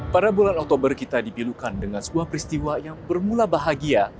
pada bulan oktober kita dipilukan dengan sebuah peristiwa yang bermula bahagia